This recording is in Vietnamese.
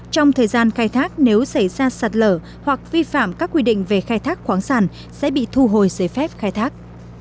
trong thời gian khai thác nếu xảy ra sạt lở hoặc vi phạm các quy định về khai thác khoáng sản sẽ bị thu hồi giấy phép khai thác